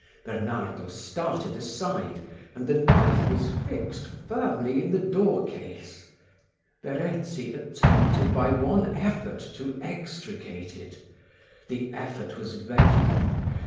Bernardo started aside, and the knife was fixed firmly in the doorcase. Verezzi attempted by one effort to extricate it. The effort was vain.